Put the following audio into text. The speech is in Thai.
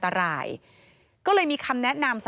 พบหน้าลูกแบบเป็นร่างไร้วิญญาณ